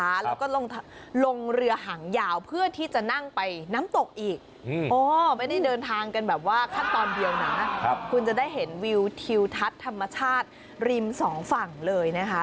แล้วก็ลงเรือหางยาวเพื่อที่จะนั่งไปน้ำตกอีกไม่ได้เดินทางกันแบบว่าขั้นตอนเดียวนะคุณจะได้เห็นวิวทิวทัศน์ธรรมชาติริมสองฝั่งเลยนะคะ